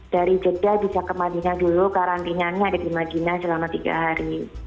dari jeddah bisa ke madinah dulu karantinanya ada di madinah selama tiga hari